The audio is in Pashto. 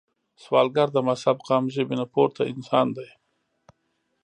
سوالګر د مذهب، قام، ژبې نه پورته انسان دی